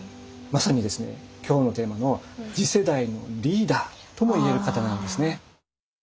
まさにですね今日のテーマの「次世代のリーダー」ともいえる方なんですね。